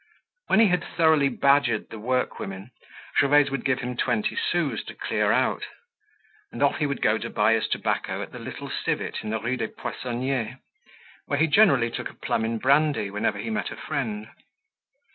When he had thoroughly badgered the workwomen, Gervaise would give him twenty sous to clear out. And off he would go to buy his tobacco at the "Little Civet," in the Rue des Poissonniers, where he generally took a plum in brandy whenever he met a friend.